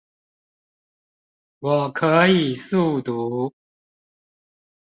我可以速讀